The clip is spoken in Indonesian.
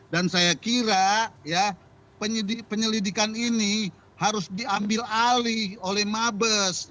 dan saya kira ya penyelidikan ini harus diambil alih oleh mabes